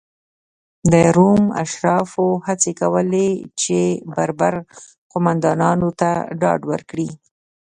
د روم اشرافو هڅې کولې چې بربر قومندانانو ته ډاډ ورکړي.